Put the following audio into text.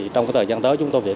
trong thời gian tới chúng tôi sẽ